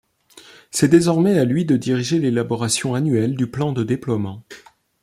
C'est désormais à lui de diriger l'élaboration annuelle du plan de déploiement.